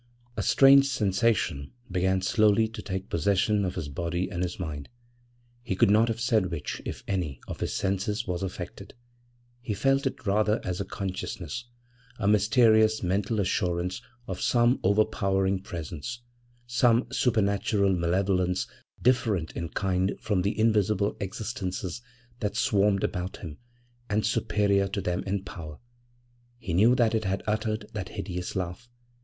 < 4 > A strange sensation began slowly to take possession of his body and his mind. He could not have said which, if any, of his senses was affected; he felt it rather as a consciousness a mysterious mental assurance of some overpowering presence some supernatural malevolence different in kind from the invisible existences that swarmed about him, and superior to them in power. He knew that it had uttered that hideous laugh.